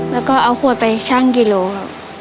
แล้วก็เอาขวดไปชั่งกิโลครับ